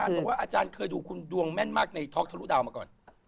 บอกว่าอาจารย์เคยดูคุณดวงแม่นมากในท็อกทะลุดาวมาก่อน